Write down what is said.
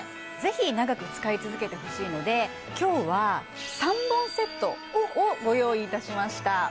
ぜひ長く使い続けてほしいので今日は３本セットをご用意いたしました